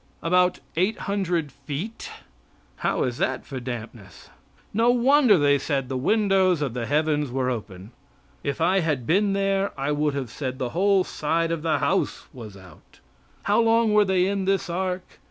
About eight hundred feet. How is that for dampness? No wonder they said the windows of the heavens were open. If I had been there I would have said the whole side of the house was out. How long were they in this ark?